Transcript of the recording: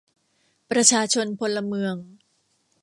ประชาชนพลเมือง